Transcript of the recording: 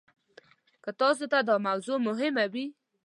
که تاسو ته دا موضوع مهمه وي.